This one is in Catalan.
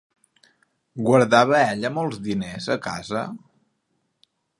Guardava ella molts diners a casa?